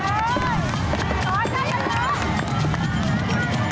เข้าลาย